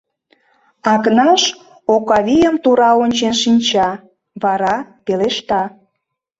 Акнаш Окавийым тура ончен шинча, вара пелешта: